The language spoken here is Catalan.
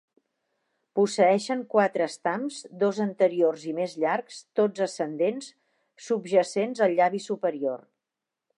Posseeixen quatre estams, dos anteriors i més llargs, tots ascendents, subjacents al llavi superior.